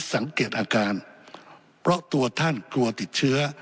สังเกตอาการเพราะตัวท่านกลัวติดเชื้อ